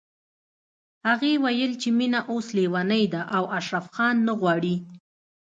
هغې ويل چې مينه اوس ليونۍ ده او اشرف خان نه غواړي